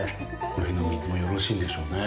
この辺の水もよろしいんでしょうね。